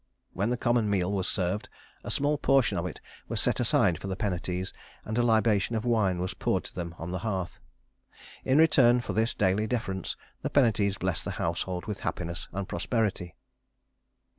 When the common meal was served, a small portion of it was set aside for the Penates, and a libation of wine was poured to them on the hearth. In return for this daily deference, the Penates blessed the household with happiness and prosperity.